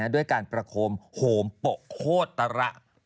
ด้วยการประโคมโหมโปะโคตระ